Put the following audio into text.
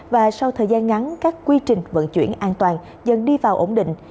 và sau thời gian ngắn các quy trình vận chuyển an toàn dần đi vào ổn định